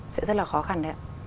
sẽ rất là khó khăn đấy ạ